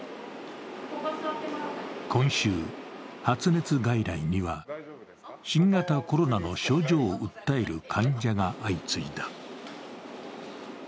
今週、発熱外来には新型コロナの症状を訴える患者が相次いだ。